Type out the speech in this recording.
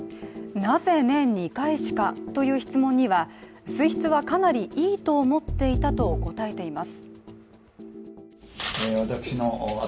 なぜ年２回しか？という質問には、水質はかなりいいと思っていたと答えています